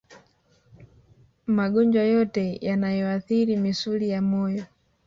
Magonjwa yote yanayoathiri misuli ya moyo